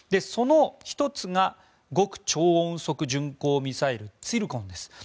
その１つが極超音速巡航ミサイルツィルコンです。